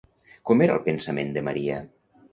Com era el pensament de Maria?